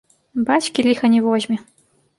Бацькі ліха не возьме.